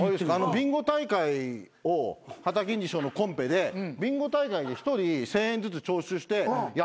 ビンゴ大会をはたけんじ師匠のコンペでビンゴ大会で１人１，０００円ずつ徴収してやったんですよ。